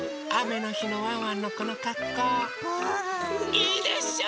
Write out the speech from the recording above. いいでしょう？